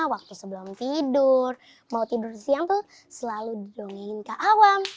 waktu sebelum tidur mau tidur siang tuh selalu didongengin ke awam